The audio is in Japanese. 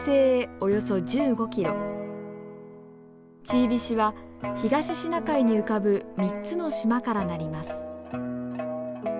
チービシは東シナ海に浮かぶ３つの島からなります。